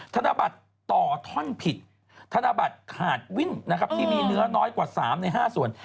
ธนบัตรต่อท่อนผิดธนบัตรขาดวิ่นนะครับที่มีเนื้อน้อยกว่า๓ใน๕ส่วน